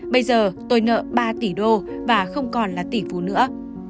bây giờ tôi nợ ba tỷ đô và không còn là tỷ phú nữa